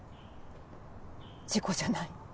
事故じゃない。